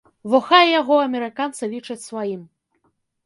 Во хай яго амерыканцы лічаць сваім.